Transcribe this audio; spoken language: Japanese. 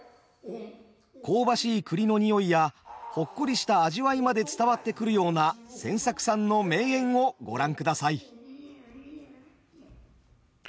香ばしい栗の匂いやほっこりした味わいまで伝わってくるような千作さんの名演をご覧ください。